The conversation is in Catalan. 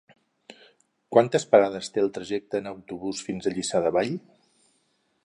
Quantes parades té el trajecte en autobús fins a Lliçà de Vall?